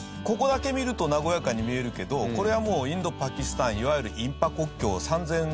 ここだけ見ると和やかに見えるけどこれはもうインドパキスタンいわゆる印パ国境。